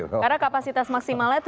karena kapasitas maksimal itu